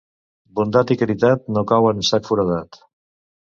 Bondat i caritat no cauen en sac foradat.